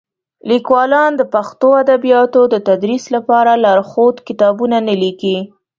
لیکوالان د پښتو ادبیاتو د تدریس لپاره لارښود کتابونه نه لیکي.